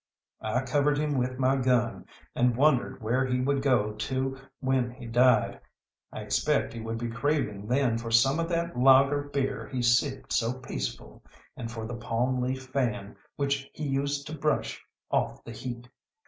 I covered him with my gun, and wondered where he would go to when he died. I expect he would be craving then for some of that lager beer he sipped so peaceful, and for the palm leaf fan which he used to brush off the heat.